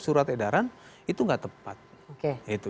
surat edaran itu nggak tepat